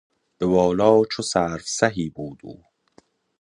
به بالا چو سروسهی بود او